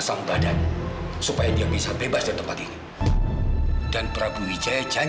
sampai jumpa di video selanjutnya